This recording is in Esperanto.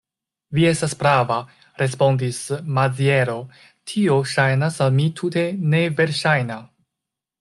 Vi estas prava, respondis Maziero; tio ŝajnas al mi tute neverŝajna.